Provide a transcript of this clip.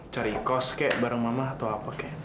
cari kos nek bareng mama atau apa nek